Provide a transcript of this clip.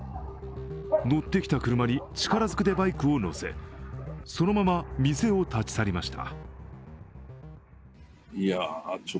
乗ってきた車に力ずくでバイクを乗せそのまま店を立ち去りました。